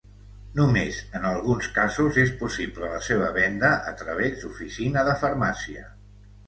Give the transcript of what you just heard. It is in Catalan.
Només en alguns casos és possible la seva venda a través d'oficina de farmàcia.